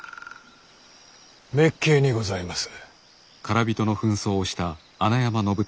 滅敬にございます。